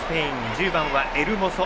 １０番はエルモソ。